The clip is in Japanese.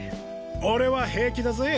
俺は平気だぜ！